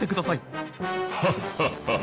ハッハッハ！